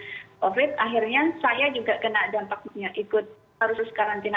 akhirnya saya juga kena dampaknya ikut harus karantina mandiri dan saat tak saling